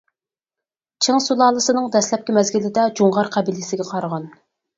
چىڭ سۇلالىسىنىڭ دەسلەپكى مەزگىلىدە جۇڭغار قەبىلىسىگە قارىغان.